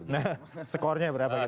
nah skornya berapa gitu ya